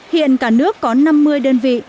hiện cả nước có năm mươi đơn vị